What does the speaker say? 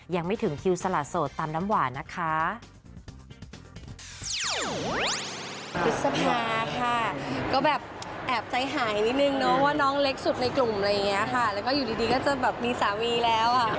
อยู่สละโสตามน้ำหวานนะคะ